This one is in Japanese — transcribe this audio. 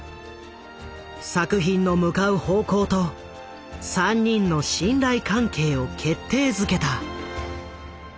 作品の向かう方向と３人の信頼関係を決定づけた。